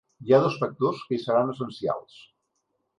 Hi ha dos factors que hi seran essencials.